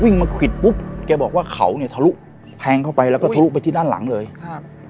มาควิดปุ๊บแกบอกว่าเขาเนี่ยทะลุแทงเข้าไปแล้วก็ทะลุไปที่ด้านหลังเลยครับ